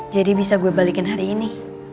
jadi bisa gue balikin hari ini